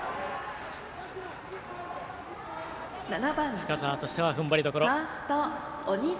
深沢としては踏ん張りどころ。